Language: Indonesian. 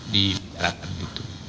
di daftar gitu